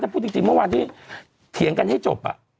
พูดจริงเมื่อวานที่เถียงกันให้จบ